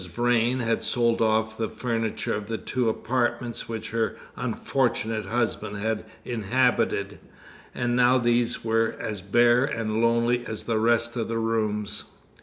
Vrain had sold off the furniture of the two apartments which her unfortunate husband had inhabited, and now these were as bare and lonely as the rest of the rooms.